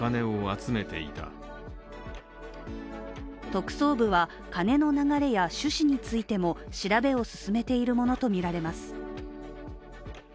特捜部は、金の流れや趣旨についても調べを進めているものとみられます。